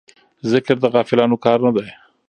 ذکر د غافلانو کار نه دی.